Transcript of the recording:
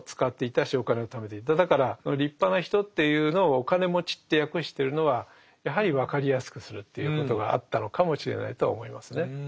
だから立派な人っていうのをお金持ちって訳してるのはやはり分かりやすくするということがあったのかもしれないとは思いますね。